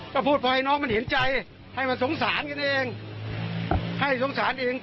ก็พูดพอให้น้องมันเห็นใจให้มันสงสารกันเองให้สงสารเอง